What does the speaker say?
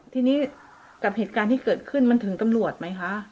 ทีนี้กับเหตุการณ์ที่เกิดขึ้นมันถึงตำรวจไหมคะ